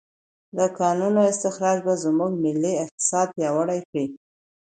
د کانونو استخراج به زموږ ملي اقتصاد پیاوړی کړي.